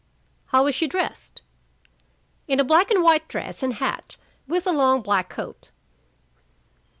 "How was she dressed?" "In a black and white dress and hat, with a long black coat."